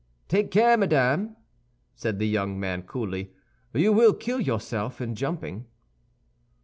"Take care, madame," said the young man, coolly, "you will kill yourself in jumping."